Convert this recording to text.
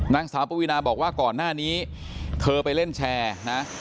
นางสาวปวีนาบอกว่าก่อนหน้านี้เธอไปเล่นแชร์นะ